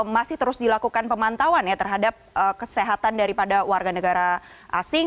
masih terus dilakukan pemantauan ya terhadap kesehatan daripada warga negara asing